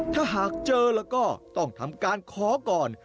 ถ้าหากเจอแล้วก็ต้องทำการขอก่อน